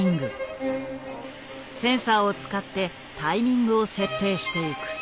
センサーを使ってタイミングを設定していく。